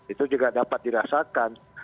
itu juga dapat dirasakan